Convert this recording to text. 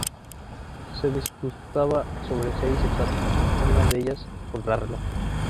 Se disputaba sobre seis etapas, una de ellas contrarreloj.